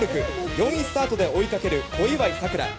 ４位スタートで追いかける小祝さくら。